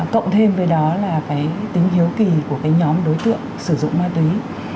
cộng thêm với đó là cái tính hiếu kỳ của cái nhóm đối tượng sử dụng ma túy